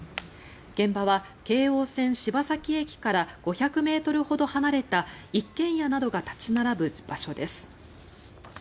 現場は京王線柴崎駅から５００ｍほど離れた一軒家などが立ち並ぶ場所です。